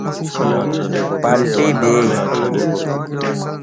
بالٽي ڏي